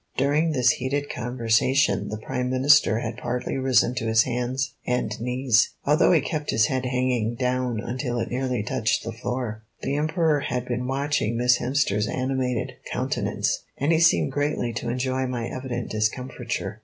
During this heated conversation the Prime Minister had partly risen to his hands and knees, although he kept his head hanging down until it nearly touched the floor. The Emperor had been watching Miss Hemster's animated countenance, and he seemed greatly to enjoy my evident discomfiture.